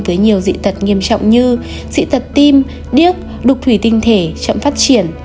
với nhiều dị tật nghiêm trọng như dị tật tim điếc đục thủy tinh thể chậm phát triển